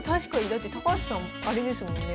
だって高橋さんあれですもんね